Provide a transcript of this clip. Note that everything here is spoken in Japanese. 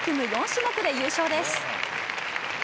４種目で優勝です。